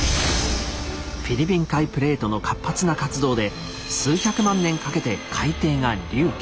フィリピン海プレートの活発な活動で数百万年かけて海底が隆起。